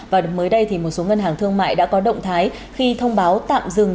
và mới đây thì một số ngân hàng thương mại đã có động thái khi thông báo tạm dừng